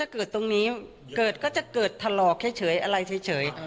เกิดทะลอกแค่เฉยอะไรแค่เฉย